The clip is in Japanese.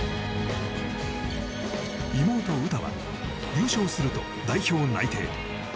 妹・詩は優勝すると代表内定。